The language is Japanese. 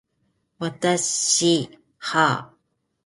私はあ